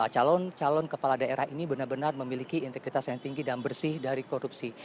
calon calon kepala daerah ini benar benar memiliki integritas yang tinggi dan bersih dari korupsi